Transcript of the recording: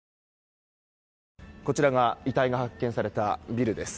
こちらが遺体が発見されたビルです。